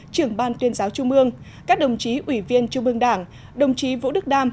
trưởng ban tuyên giáo trung mương các đồng chí ủy viên trung ương đảng đồng chí vũ đức đam